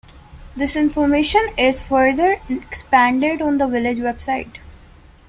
This information is further expanded on the village website.